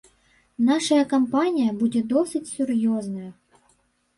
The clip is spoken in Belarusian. Нашая кампанія будзе досыць сур'ёзная.